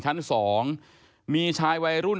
ชั้น๒มีชายวัยรุ่น